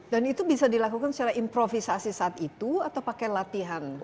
dan itu bisa dilakukan secara improvisasi saat itu atau pakai latihan